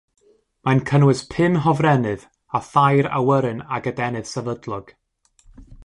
Mae'n cynnwys pum hofrennydd a thair awyren ag adennydd sefydlog.